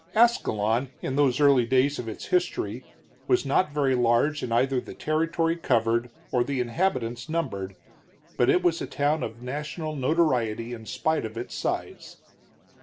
Ascalon, in those early days of its history, was not very large in either the territory covered or the inhabitants numbered, but it was a town of national notoriety in spite of its size.